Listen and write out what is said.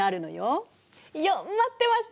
よっ待ってました！